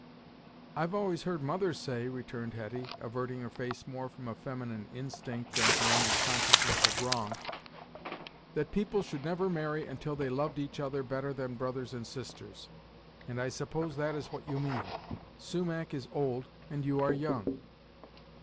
"I've always heard mother say," returned Hetty, averting her face more from a feminine instinct than from any consciousness of wrong, "that people should never marry until they loved each other better than brothers and sisters, and I suppose that is what you mean. Sumach is old, and you are young!"